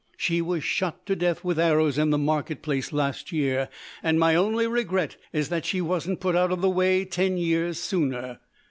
She was shot to death with arrows in the market place last year, and my only regret is that she wasn't put out of the way ten years sooner.